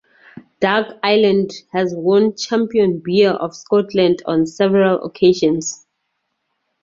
Dark Island has won Champion Beer of Scotland on several occasions.